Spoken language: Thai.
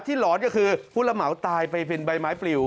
หลอนก็คือผู้ระเหมาตายไปเป็นใบไม้ปลิว